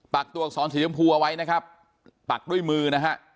ตัวอักษรสีชมพูเอาไว้นะครับปักด้วยมือนะฮะ